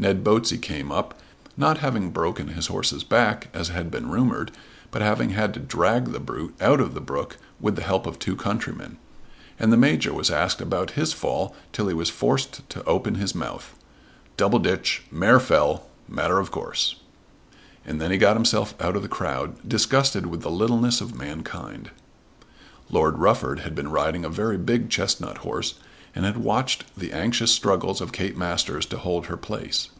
Ned Botsey came up, not having broken his horse's back as had been rumoured, but having had to drag the brute out of the brook with the help of two countrymen, and the Major was asked about his fall till he was forced to open his mouth. "Double ditch; mare fell; matter of course." And then he got himself out of the crowd, disgusted with the littleness of mankind. Lord Rufford had been riding a very big chestnut horse, and had watched the anxious struggles of Kate Masters to hold her place.